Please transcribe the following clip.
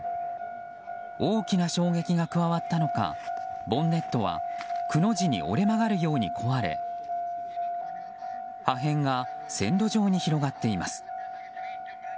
大きな衝撃が加わったのかボンネットはくの字に折れ曲がるように壊れ破片が線路上に広がっています。